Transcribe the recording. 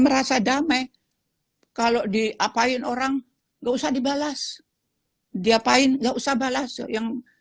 merasa damai kalau diapain orang nggak usah dibalas diapain nggak usah balas yang